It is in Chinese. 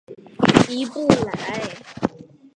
尼布莱。